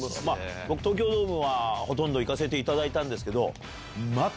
僕東京ドームはほとんど行かせていただいたんですけど。